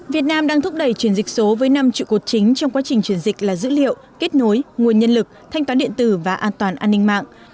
việt nam đang thúc đẩy chuyển dịch số với năm trụ cột chính trong quá trình chuyển dịch là dữ liệu kết nối nguồn nhân lực thanh toán điện tử và an toàn an ninh mạng